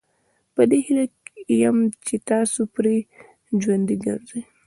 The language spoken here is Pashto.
په دې هیله یم چې تاسي پرې ژوندي ګرځئ.